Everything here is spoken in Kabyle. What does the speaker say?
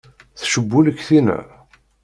Tcewwel-ik tinna?